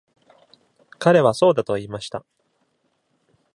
彼はそうだと言いました。